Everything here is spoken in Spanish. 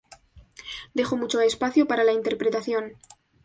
Dejó mucho espacio para la interpretación".